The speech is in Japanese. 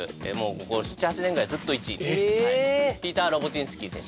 ここ７８年ぐらいずっと１位えっピーター・ロボジンスキー選手